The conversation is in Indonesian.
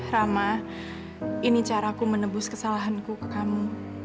rahmat ini caraku menebus kesalahanku ke kamu